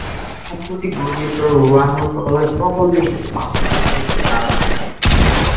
সম্প্রতি ঘূর্ণিঝড় রোয়ানুর প্রভাবে প্রবল বৃষ্টিতে পাহাড় ধসে দুজন প্রাণ হারায়।